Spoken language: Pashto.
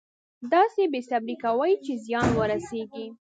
داسې بې صبري کوي چې زیان ورسېږي.